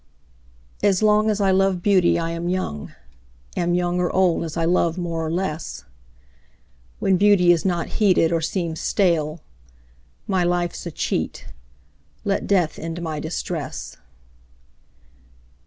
As long as I love Beauty I am young, Am young or old as I love more or less; When Beauty is not heeded or seems stale, My life's a cheat, let Death end my distress.